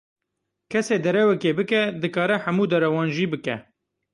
Kesê derewekê bike, dikare hemû derewan jî bike.